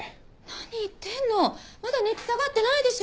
何言ってんのまだ熱下がってないでしょ。